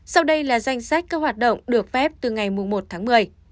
sau đây là danh sách các hoạt động được phép từ ngày một tháng một mươi